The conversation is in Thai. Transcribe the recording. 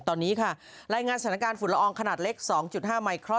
ตอนนี้ค่ะรายงานสถานการณ์ฝุ่นละอองขนาดเล็ก๒๕ไมครอน